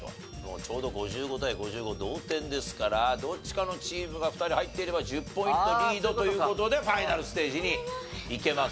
ちょうど５５対５５同点ですからどっちかのチームが２人入っていれば１０ポイントリードという事でファイナルステージに行けます。